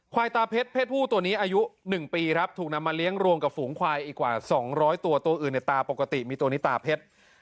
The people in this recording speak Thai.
ตาเพชรเพศผู้ตัวนี้อายุ๑ปีครับถูกนำมาเลี้ยงรวมกับฝูงควายอีกกว่า๒๐๐ตัวตัวอื่นในตาปกติมีตัวนี้ตาเพชร